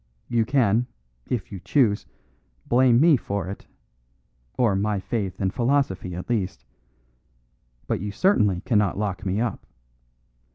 You can, if you choose, blame me for it, or my faith and philosophy at least; but you certainly cannot lock me up.